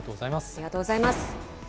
ありがとうございます。